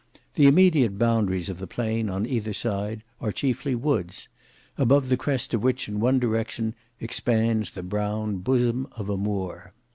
The immediate boundaries of the plain on either side are chiefly woods; above the crest of which in one direction expands the brown bosom of a moor.